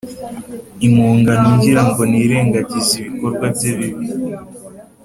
impongano ngira ngo nirengagize ibikorwa bye bibi